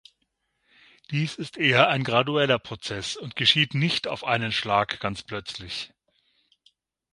Dies ist eher ein gradueller Prozess und geschieht nicht auf einen Schlag, ganz plötzlich.